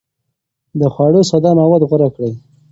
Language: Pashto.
د خوړو ساده مواد غوره کړئ.